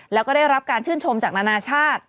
แล้วก็ได้รับการชื่นชมจากนานาชาติ